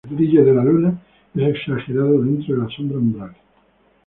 El brillo de la Luna es exagerado dentro de la sombra umbral.